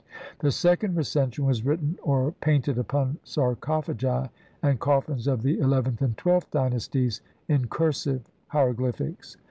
The second Recension was written or painted upon sar cophagi and coffins of the eleventh and twelfth dy nasties in cursive hieroglyphics.